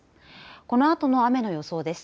このあとの雨の予想です。